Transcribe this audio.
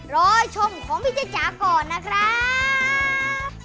รอชมของพี่เจ๊จ๋าก่อนนะครับ